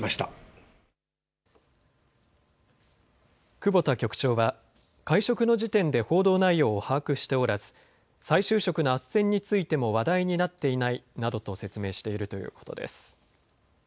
久保田局長は会食の時点で報道内容を把握しておらず再就職のあっせんについても話題になっていないなどと説明しているということです。